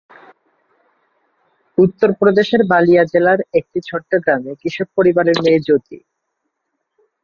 উত্তরপ্রদেশের বালিয়া জেলার একটি ছোট্ট গ্রামে, কৃষক পরিবারের মেয়ে জ্যোতি।